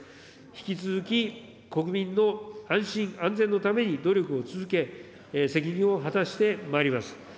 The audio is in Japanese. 引き続き、国民の安心安全のために努力を続け、責任を果たしてまいります。